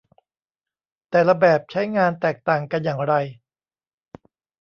แต่ละแบบใช้งานแตกต่างกันอย่างไร